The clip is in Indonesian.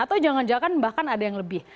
atau jangan jangan bahkan ada yang lebih